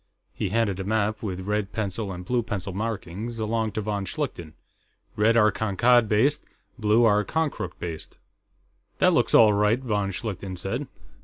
He handed a map, with red pencil and blue pencil markings, along to von Schlichten. "Red are Kankad based; blue are Konkrook based." "That looks all right," von Schlichten said.